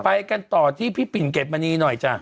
ไปกันต่อที่พี่ปิ่นเกรดมณีหน่อยจ้ะ